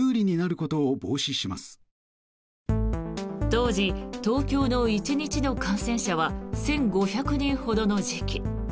当時、東京の１日の感染者は１５００人ほどの時期。